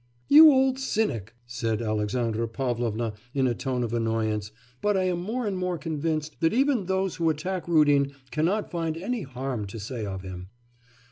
'You old cynic!' said Alexandra Pavlovna in a tone of annoyance, 'but I am more and more convinced that even those who attack Rudin cannot find any harm to say of him.